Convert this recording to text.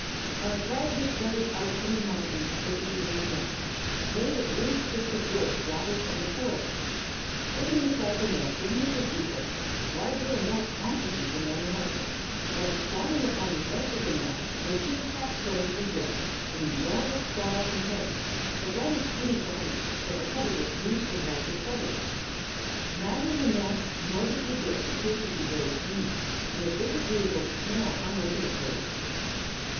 On a crag that jutted out from the mountain was the eagle's nest, made of rude sticks of wood gathered from the forest. Sitting beside the nest was Mrs. Eagle, larger and more pompous even than her husband, while squatting upon the edge of the nest were two half grown eaglets with enormous claws and heads, but rather skinny bodies that were covered with loose and ragged feathers. Neither the nest nor the eaglets appeared to be very clean, and a disagreeable smell hung over the place.